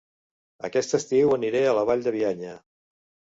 Aquest estiu aniré a La Vall de Bianya